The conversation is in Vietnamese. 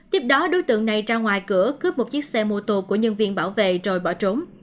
tiếp đó đối tượng này ra ngoài cửa cướp một chiếc xe mô tô của nhân viên bảo vệ rồi bỏ trốn